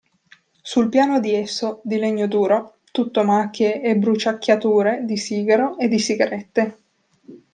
Sul piano di esso, di legno duro, tutto macchie e bruciacchiature di sigaro e di sigarette.